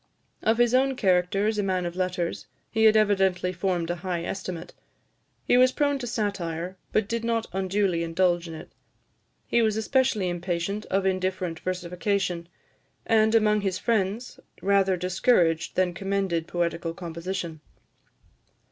Of his own character as a man of letters, he had evidently formed a high estimate. He was prone to satire, but did not unduly indulge in it. He was especially impatient of indifferent versification; and, among his friends, rather discouraged than commended poetical composition.